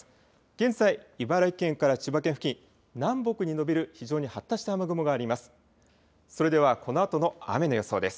現在、茨城県から千葉県付近、南北に延びる非常に発達した雨雲があります。